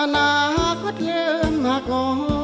อนาคตเลือดมากง่อ